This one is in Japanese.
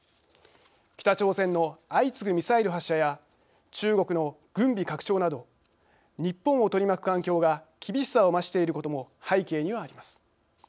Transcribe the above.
北朝鮮の相次ぐミサイル発射や中国の軍備拡張など日本を取り巻く環境が厳しさを増していることも背景にはあります。